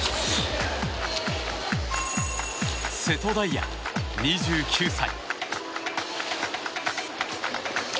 瀬戸大也、２９歳。